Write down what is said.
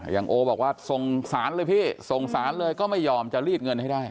โอบอกว่าสงสารเลยพี่สงสารเลยก็ไม่ยอมจะรีดเงินให้ได้